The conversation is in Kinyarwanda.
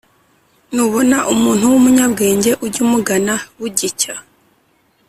Nubona umuntu w’umunyabwenge, ujye umugana bugicya,